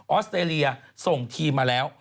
อสเตรเลียส่งทีมมาแล้ว